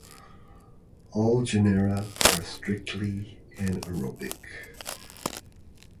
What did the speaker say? All genera are strictly anaerobic.